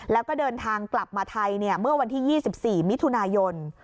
แล้วก็เดินทางกลับมาไทยเมื่อวันที่๒๔มิถุนายน